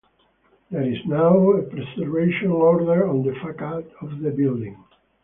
There is now a preservation order on the facade of the building.